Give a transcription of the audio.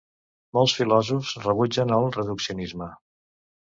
Molts filòsofs rebutgen el reduccionisme.